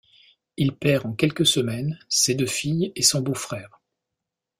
Il perd en quelques semaines ses deux filles et son beau-frère.